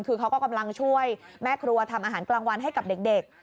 คือเขาก็กำลังช่วยแม่ครัวทำอาหารกลางวันให้กับเด็ก